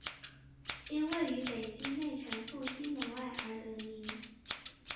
因位于北京内城复兴门外而得名。